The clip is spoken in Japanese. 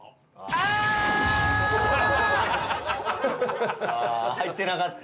ああ入ってなかった。